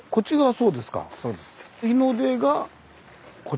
そうです。